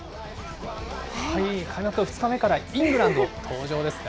開幕２日目からイングランド登場ですか。